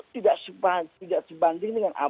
tidak sebanding dengan